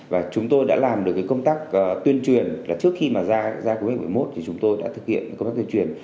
và chúng tôi đã làm được cái công tác tuyên truyền là trước khi mà ra khu vực một mươi một thì chúng tôi đã thực hiện công tác tuyên truyền